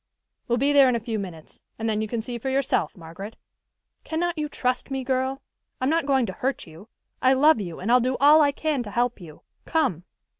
"We'll be there in a few minutes, and then you can see for yourself, Margaret. Cannot you trust me, girl? I'm not going to hurt you. I love you, and I'll do all I can to help you. Come!"